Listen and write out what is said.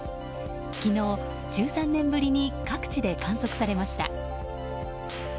昨日、１３年ぶりに各地で観測されました。